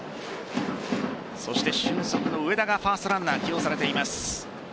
俊足の植田がファーストランナーに起用されています。